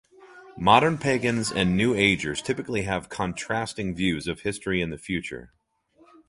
Modern Pagans and New Agers typically have contrasting views of history and the future.